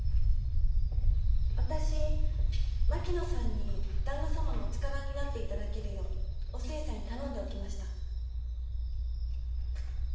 私槙野さんに旦那様のお力になっていただけるようお寿恵さんに頼んでおきました。